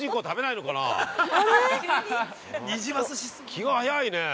◆気が早いねえ。